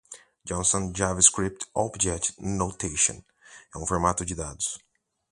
JSON (JavaScript Object Notation) é um formato de dados.